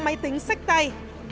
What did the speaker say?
sáu máy tính sách tay